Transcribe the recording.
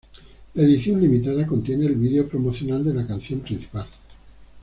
La edición limitada contiene el vídeo promocional de la canción principal.